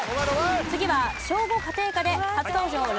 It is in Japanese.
次は小５家庭科で初登場ラパルフェ